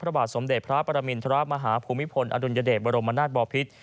พระบาทสมเด็จพระปรมินทรมาฮภูมิพลอดุลยเดชบรมนาศบอพิษ